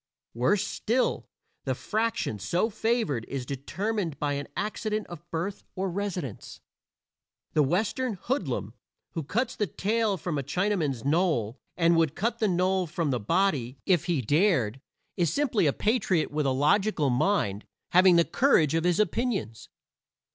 Worse still, the fraction so favored is determined by an accident of birth or residence. The Western hoodlum who cuts the tail from a Chinaman's nowl, and would cut the nowl from the body, if he dared, is simply a patriot with a logical mind, having the courage of his opinions.